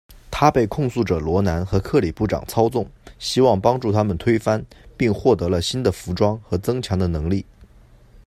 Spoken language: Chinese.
他被控诉者罗南和克里部长操纵，希望帮助他们推翻，并获得了新的服装和增强的能力。